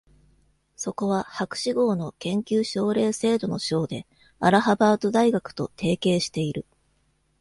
そこは、博士号の研究奨励制度の賞でアラハバード大学と提携している。